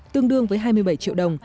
tương đương với hai mươi bảy triệu đồng